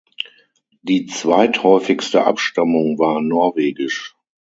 Die zweithäufigste Abstammung war Norwegisch.